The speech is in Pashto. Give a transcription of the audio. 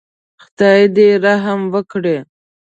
خدای دې رحم وکړي.